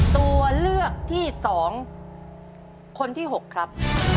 ตัวเลือกที่๒คนที่๖ครับ